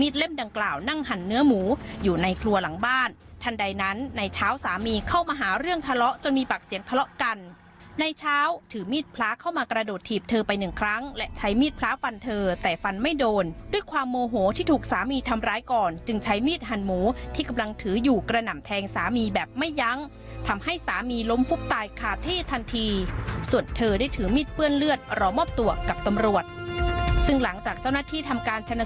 ต้องทะเลาะจนมีปากเสียงทะเลาะกันในเช้าถือมีดพลาเข้ามากระโดดถีบเธอไปหนึ่งครั้งและใช้มีดพลาฟันเธอแต่ฟันไม่โดนด้วยความโมโหที่ถูกสามีทำร้ายก่อนจึงใช้มีดหันหมูที่กำลังถืออยู่กระหน่ำแทงสามีแบบไม่ยั้งทำให้สามีล้มฟุกตายขาดที่ทันทีส่วนเธอได้ถือมีดเปื้อนเลือดรอมอบตัวกับตำ